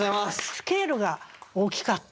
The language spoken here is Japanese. スケールが大きかった。